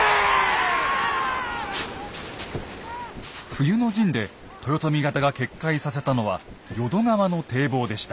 冬の陣で豊臣方が決壊させたのは淀川の堤防でした。